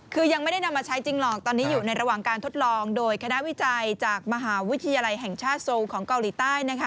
คือยังไม่ได้นำมาใช้จริงหรอกตอนนี้อยู่ในระหว่างการทดลองโดยคณะวิจัยจากมหาวิทยาลัยแห่งชาติโซลของเกาหลีใต้นะคะ